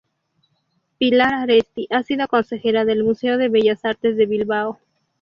Pilar Aresti ha sido consejera del Museo de Bellas Artes de Bilbao.